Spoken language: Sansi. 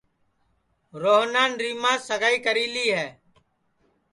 روہنان ریماس سگائی کری لی ہے